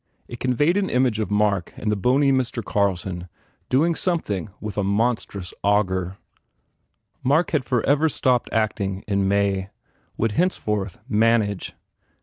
It conveyed an image of Mark and the bony Mr. Carlson doing something with a mon THE FAIR REWARDS strous auger. Mark had for ever stopped acting in May, would henceforth "manage."